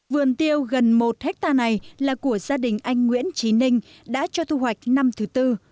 vườn tiêu gần một hectare này là của gia đình anh nguyễn trí ninh đã cho thu hoạch năm thứ tư